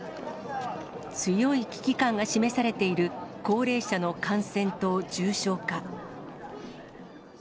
強い危機感が示されている高齢者の感染と重症化。